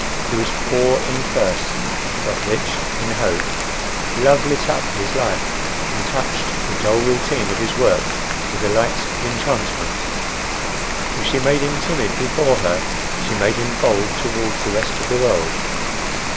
He was poor in purse, but rich in hope. Love lit up his life and touched the dull routine of his work with the light of enchantment. If she made him timid before her, she made him bold towards the rest of the world.